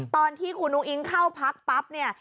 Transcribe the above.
ตอนที่คุณอุ้งเข้าพักปั๊บเนี่ย